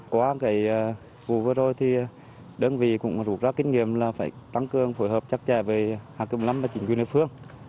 qua cái vụ vừa rồi thì đơn vị cũng rủ ra kinh nghiệm là phải tăng cường phối hợp chắc chẽ với hạt kiểm lâm và chỉnh quyền địa phương